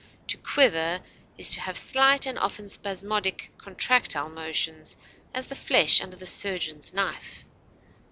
To quiver is to have slight and often spasmodic contractile motions, as the flesh under the surgeon's knife.